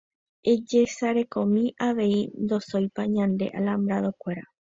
Ejesarekomi avei ndosóipa ñande alambrado-kuéra.